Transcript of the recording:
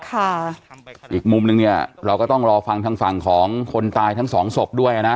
อีกมุมนึงเนี่ยเราก็ต้องรอฟังทางฝั่งของคนตายทั้งสองศพด้วยนะ